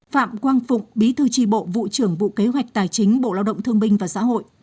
phạm quang phụng bí thư tri bộ vụ trưởng vụ kế hoạch tài chính bộ lao động thương binh và xã hội